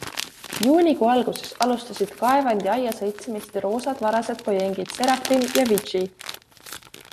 Juunikuu alguses alustasid Kaevandi Aias õitsemist roosad varased pojengid 'Seraphim' ja 'Vitchi'.